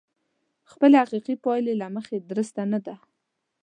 خپلې حقيقي پايلې له مخې درسته نه ده.